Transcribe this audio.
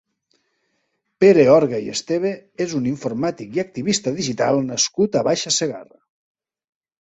Pere Orga i Esteve és un informàtic i activista digital nascut a Baixa Segarra.